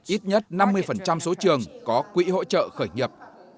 ít nhất năm mươi số trường có quỹ hỗ trợ khởi nghiệp